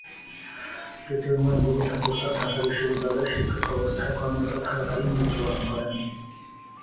জ্যোতির্ময় গুহঠাকুরতা ঢাকা বিশ্ববিদ্যালয়ে শিক্ষক অবস্থায় কর্মরত থাকাকালীন মৃত্যুবরণ করেন।